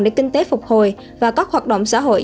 để kinh tế phục hồi và các hoạt động xã hội